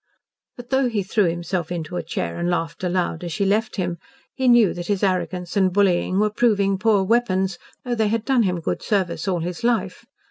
But though he threw himself into a chair and laughed aloud as she left him, he knew that his arrogance and bullying were proving poor weapons, though they had done him good service all his life.